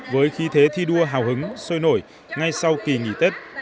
với khí thế thi đua hào hứng sôi nổi ngay sau kỳ nghỉ tết